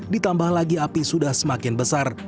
ditambah lagi api sudah semakin besar